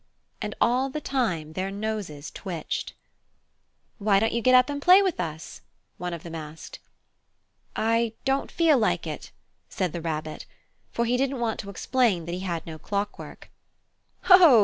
And all the time their noses twitched. "Why don't you get up and play with us?" one of them asked. "I don't feel like it," said the Rabbit, for he didn't want to explain that he had no clockwork. "Ho!"